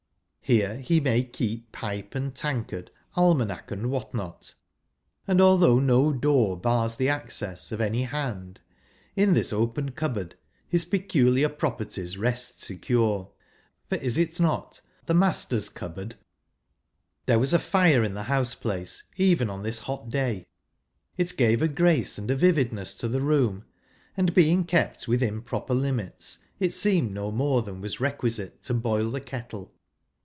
Here he may keep pipe and tankard, almanac, and what not ; and although no door bars the access of any hand, in this open cupboard his peculiar properties rest secure, for is it not " the master's cupboard "? There was a fire in the house place, even on this hot day ; it gave I a grace and a vividness to the room, and I being kept within proper limits, it seemed no I more than was requisite to boil the kettle.